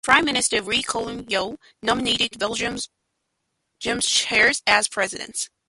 Prime Minister Lee Kuan Yew nominated Benjamin Sheares as president.